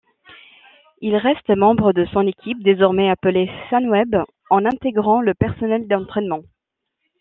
Il reste membre de son équipe, désormais appelée Sunweb, en intégrant le personnel d'entraînement.